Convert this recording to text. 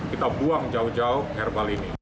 kita buang jauh jauh herbal ini